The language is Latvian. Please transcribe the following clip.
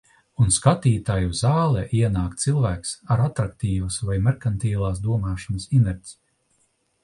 Un skatītāju zālē ienāk cilvēks ar atraktīvas vai merkantilās domāšanas inerci.